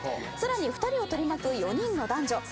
さらに２人を取り巻く４人の男女。